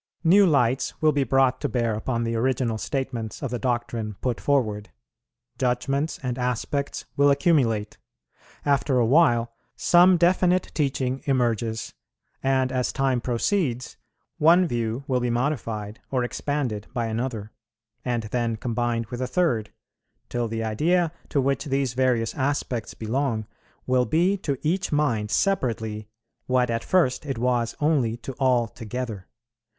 New lights will be brought to bear upon the original statements of the doctrine put forward; judgments and aspects will accumulate. After a while some definite teaching emerges; and, as time proceeds, one view will be modified or expanded by another, and then combined with a third; till the idea to which these various aspects belong, will be to each mind separately what at first it was only to all together.